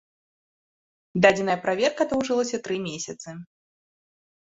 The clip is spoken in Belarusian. Дадзеная праверка доўжылася тры месяцы.